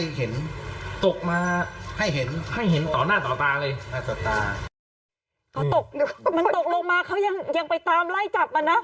มันตกลงมาเขายังเมื่อตามไล่จับมานะ